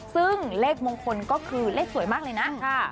ซึ่งเลขมงคลก็คือเลขสวยมากเลยนะ